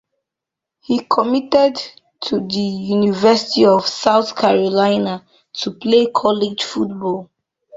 He committed to the University of South Carolina to play college football.